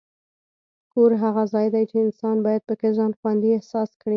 کور هغه ځای دی چې انسان باید پکې ځان خوندي احساس کړي.